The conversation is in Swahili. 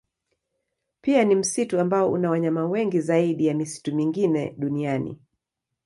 Pia ni msitu ambao una wanyama wengi zaidi ya misitu mingine duniani.